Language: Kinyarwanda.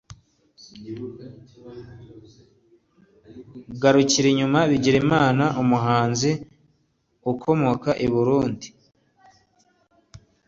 com yashimiye cyane Fortran Bigirimana umuhanzi ukomoka i Burundi wamuhuje na Jonathan Niyomwungere wamutumiye i burayi